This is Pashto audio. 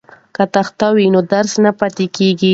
که تخته وي نو درس نه پاتې کیږي.